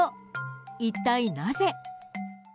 一体なぜ？